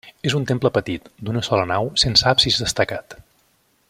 És un temple petit, d'una sola nau sense absis destacat.